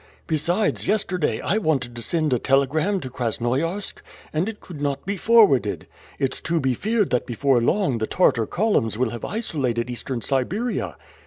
"Besides, yesterday I wanted to send a telegram to Krasnoiarsk, and it could not be forwarded. It's to be feared that before long the Tartar columns will have isolated Eastern Siberia."